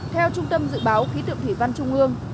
theo trung tâm dự báo khí tượng thủy văn trung ương